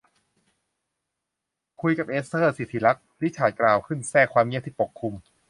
คุยกับเอสเธอร์สิที่รัก ริชาร์ดกล่าวขึ้นแทรกความเงียบที่ปกคลุม